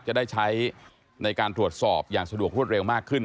จะได้ใช้ในการตรวจสอบอย่างสะดวกรวดเร็วมากขึ้น